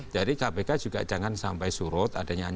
jadi kpk juga jangan sampai surut